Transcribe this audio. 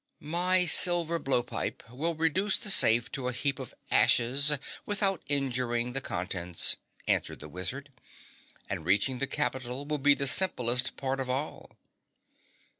"My silver blowpipe will reduce the safe to a heap of ashes without injuring the contents," answered the wizard, "and reaching the capital will be the simplest part of all!"